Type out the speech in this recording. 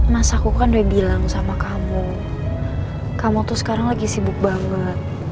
mas aku kan udah bilang sama kamu kamu tuh sekarang lagi sibuk banget